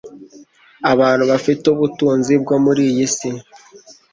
Abantu bafite ubutunzi bwo muri iyi si